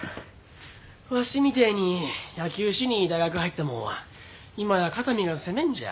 わしみてえに野球しに大学入ったもんは今や肩身が狭んじゃ。